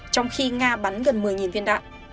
trong khi nga bắn gần một mươi viên đạn